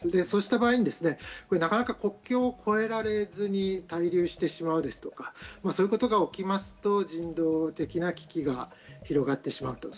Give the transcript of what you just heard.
そうした場合、なかなか国境を越えられずに滞留してしまうですとか、そういうことがおきますと人道的な危機が広がってしまう。